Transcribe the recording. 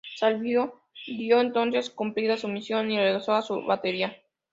Salvo dio entonces cumplida su misión y regresó a su batería.